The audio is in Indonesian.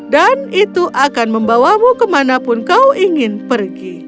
dan itu akan membawamu kemanapun kau ingin pergi